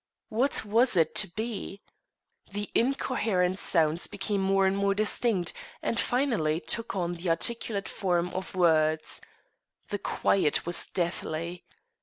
What was it to be? The incoherent sounds became more and more distinct, and, finally, took on the articulate form of words. The quiet was deathly.